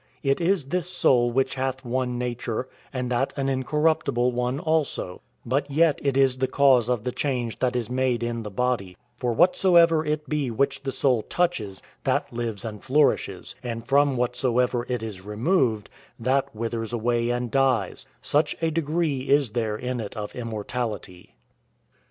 It is this soul which hath one nature, and that an incorruptible one also; but yet it is the cause of the change that is made in the body; for whatsoever it be which the soul touches, that lives and flourishes; and from whatsoever it is removed, that withers away and dies; such a degree is there in it of immortality.